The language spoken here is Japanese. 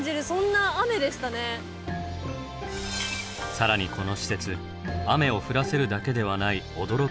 更にこの施設雨を降らせるだけではない驚きの機能が。